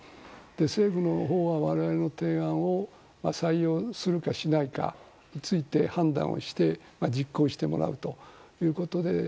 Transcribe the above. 政府のほうは、我々の提案を採用するかしないかについて判断をして実行してもらうということで。